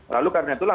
lalu karena itulah